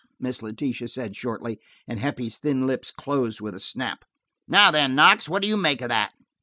Miss Letitia said shortly, and Heppie's thin lips closed with a snap. "Now then, Knox, what do you make of that?"